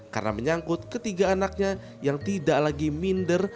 karena menyangkut ketiga anaknya yang tidak lagi minder